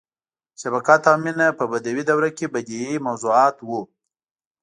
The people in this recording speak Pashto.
• شفقت او مینه په بدوي دوره کې بدیعي موضوعات وو.